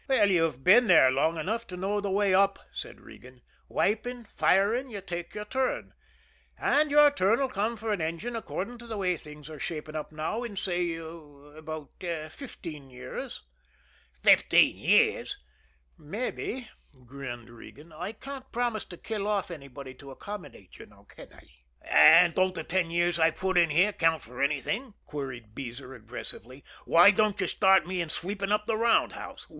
"You've been here long enough to know the way up," said Regan. "Wiping, firing you take your turn. And your turn'll come for an engine according to the way things are shaping up now in, say, about fifteen years." "Fifteen years!" "Mabbe," grinned Regan. "I can't promise to kill off anybody to accommodate you, can I?" "And don't the ten years I've put in here count for anything?" queried Beezer aggressively. "Why don't you start me in sweeping up the round house?